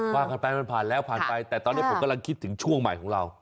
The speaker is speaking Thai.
ว่ากันไปมันผ่านแล้วผ่านไปแต่ตอนนี้ผมกำลังคิดถึงช่วงใหม่ของเรา